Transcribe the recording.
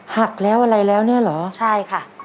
หักแล้วอะไรแล้วเนี่ยเหรอใช่ค่ะ